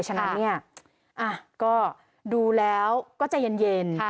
ฉะนั้นดูแล้วก็ใจเย็น